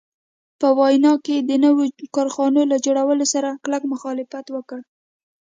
په ویانا کې د نویو کارخانو له جوړولو سره کلک مخالفت وکړ.